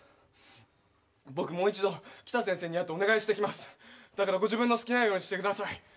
僕もう一度北先生に会ってお願いしてきますだからご自分の好きなようにしてください